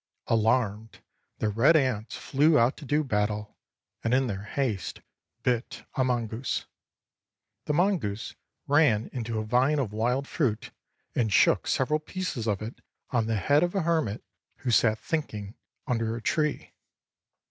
Alarmed, the red ants flew out to do battle, and in their haste, bit a mongoose. The mongoose ran into a vine of wild fruit and shook several pieces of it on the head of a hermit who sat thinking under a tree.